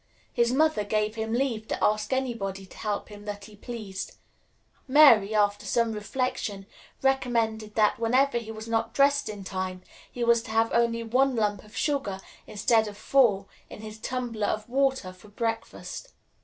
His mother gave him leave to ask any body to help him that he pleased. Mary, after some reflection, recommended that, whenever he was not dressed in time, he was to have only one lump of sugar, instead of four, in his tumbler of water for breakfast.